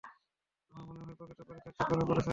আমার মনে হয় প্রকৃত অপরাধী ধরা পড়েছে।